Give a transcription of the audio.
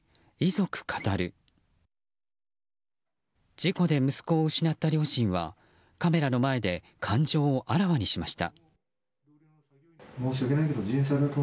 事故で息子を失った両親はカメラの前で感情をあらわにしました。